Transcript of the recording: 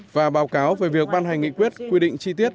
và báo cáo về việc ban hành nghị quyết quy định chi tiết